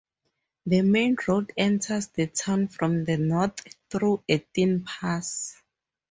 The main road enters the town from the north through a thin pass.